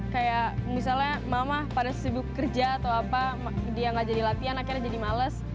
kayak misalnya mama pada sibuk kerja atau apa dia gak jadi latihan akhirnya jadi males